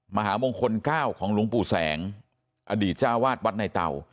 มหามงคล๙ของหลวงปู่แสงอดีตเจ้าวาดวัดในเตา